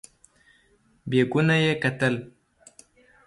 بیکونه یې کتل.